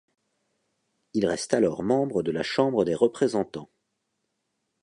Il reste alors membre de la Chambre des représentants.